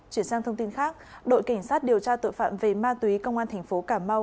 chuyển sang thông tin khác đội cảnh sát điều tra tội phạm về ma túy công an thành phố cà mau